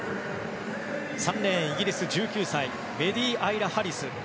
３レーン、イギリスの１９歳メディ・アイラ・ハリス。